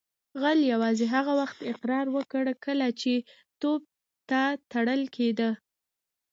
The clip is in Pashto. غل یوازې هغه وخت اقرار وکړ کله چې توپ ته تړل کیده